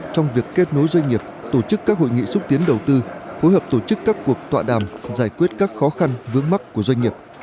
trong việc kết nối doanh nghiệp tổ chức các hội nghị xúc tiến đầu tư phối hợp tổ chức các cuộc tọa đàm giải quyết các khó khăn vướng mắt của doanh nghiệp